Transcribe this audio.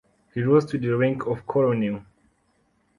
He rose to the rank of Colonel.